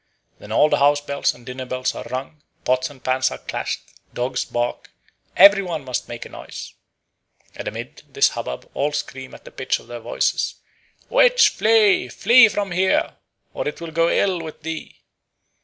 Then all the house bells and dinner bells are rung, pots and pans are clashed, dogs bark, every one must make a noise. And amid this hubbub all scream at the pitch of their voices: "_Witch flee, flee from here, or it will go ill with thee.